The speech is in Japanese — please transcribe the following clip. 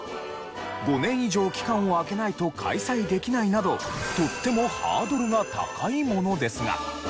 ５年以上期間を空けないと開催できないなどとってもハードルが高いものですが。